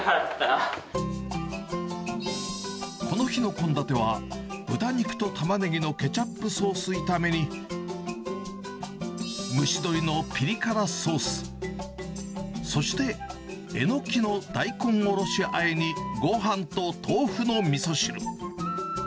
この日の献立は、豚肉とたまねぎのケチャップソース炒めに、蒸し鶏のピリ辛ソース、そして、えのきの大根おろしあえにごはんと豆腐のみそ汁。